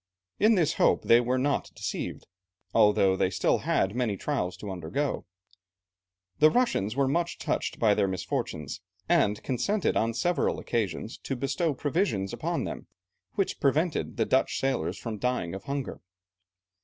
In this hope they were not deceived, although they had still many trials to undergo. The Russians were much touched by their misfortunes, and consented on several occasions to bestow provisions upon them, which prevented the Dutch sailors from dying of hunger.